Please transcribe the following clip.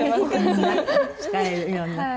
使えるようになった。